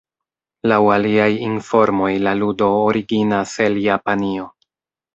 Laŭ aliaj informoj la ludo originas el Japanio.